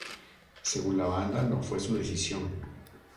Según la banda, no fue su decisión.